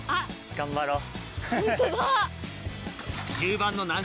頑張ろう。